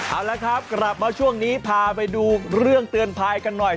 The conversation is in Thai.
เอาละครับกลับมาช่วงนี้พาไปดูเรื่องเตือนภัยกันหน่อย